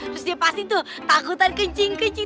terus dia pasti tuh takutan kencing kencing